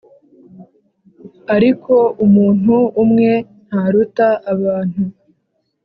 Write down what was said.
ariko umuntu umwe ntaruta abantu,